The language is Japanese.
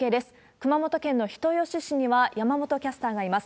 熊本県の人吉市には山本キャスターがいます。